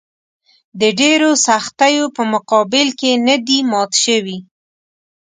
د ډېرو سختیو په مقابل کې نه دي مات شوي.